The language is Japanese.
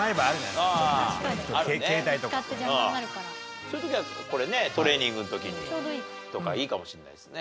そういう時はこれねトレーニングの時とかいいかもしれないですね。